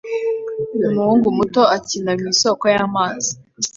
Umuhungu muto akina mu isoko y'amazi